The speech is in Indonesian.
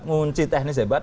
ngunci teknis hebat